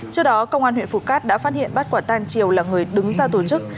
trước đó công an huyện phù cát đã phát hiện bắt quả tan triều là người đứng ra tổ chức